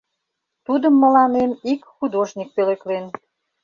Тудым мыланем ик художник пӧлеклен.